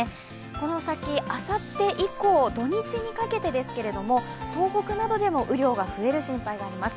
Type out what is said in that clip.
この先、あさって以降土日にかけてですけれども、東北などでも雨量が増える心配があります。